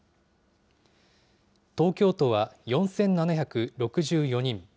東京都は４７６４人。